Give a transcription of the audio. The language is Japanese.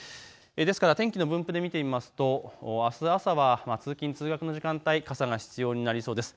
ですから天気の分布で見てみますとあす朝は通勤通学の時間帯傘が必要になりそうです。